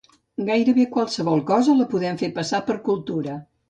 Gairebé qualsevol cosa la podem fer passar per cultura